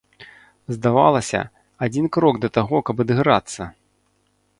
Здавалася, адзін крок да таго, каб адыграцца!